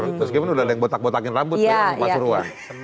terus bagaimana sudah ada yang botak botakin rambut itu pak surwan